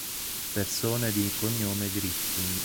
Persone di cognome Griffin